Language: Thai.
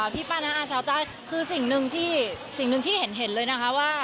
พี่ป้าน้าอาชาวต้ายคือสิ่งหนึ่งที่เห็นเลยนะคะ